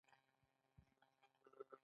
د کاري ځواک تولید په ځانګړي شکل ترسره کیږي.